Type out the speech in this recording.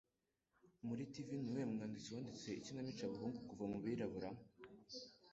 Muri Tv Nuwuhe mwanditsi wanditse Ikinamico Abahungu Kuva Mubirabura